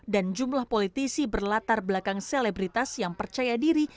dan jumlah politisi berlatar belakang selebritas yang percaya diri